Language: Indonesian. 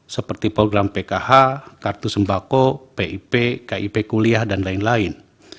seperti program pkh kartu sembako pip kip kuliah dan lain lain